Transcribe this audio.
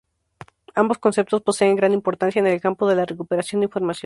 Ambos conceptos poseen gran importancia en el campo de la recuperación de información.